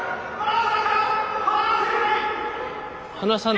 離さない。